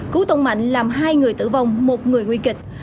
cứu tông mạnh làm hai người tử vong một người nguy kịch